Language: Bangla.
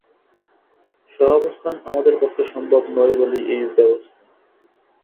সহাবস্থান আমাদের পক্ষে সম্ভব নয় বলেই এই ব্যবস্থা।